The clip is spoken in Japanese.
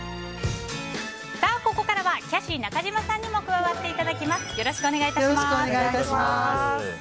ここからはキャシー中島さんにも加わっていただきます。